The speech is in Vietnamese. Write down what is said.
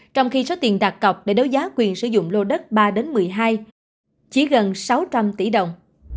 trong khi số tiền đạt cọc để đấu giá quyền sử dụng lô đất ba một mươi hai chỉ gần sáu trăm linh tỷ đồng